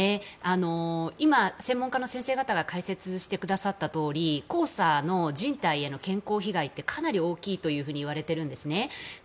今、専門家の先生方が解説してくださったとおり黄砂の人体への健康被害ってかなり大きいといわれているんですね。